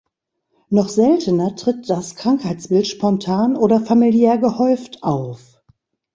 Noch seltener tritt das Krankheitsbild spontan oder familiär gehäuft auf.